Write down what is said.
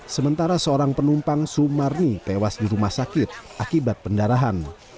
sementara seorang penumpang sumarni tewas di rumah sakit akibat pendarahan